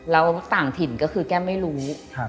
แล้วต่างถิ่นก็คือแก้มไม่รู้